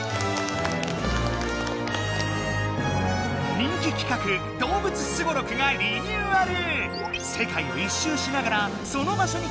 人気企画「動物スゴロク」がリニューアル！